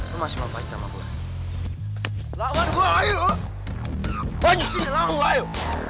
lo masih mau fight sama gue